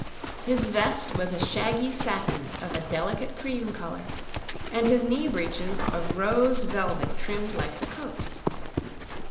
His vest was a shaggy satin of a delicate cream color, and his knee breeches of rose velvet trimmed like the coat.